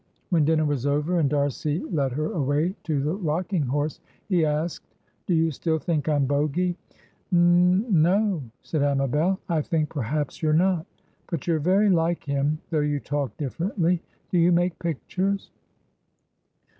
When dinner was over, and D'Arcy led her away to the rocking horse, he asked, "Do you still think I'm Bogy?" "N—no," said Amabel, "I think perhaps you're not. But you're very like him, though you talk differently. Do you make pictures?"